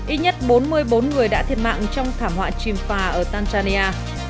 ít nhất bốn mươi bốn người đã thiệt mạng trong thảm họa chìm phà ở tanzania